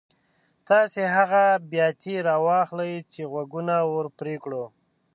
تاسې هغه بیاتي را واخلئ چې غوږونه ور پرې کړو.